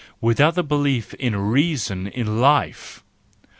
Without the belief in reason in life!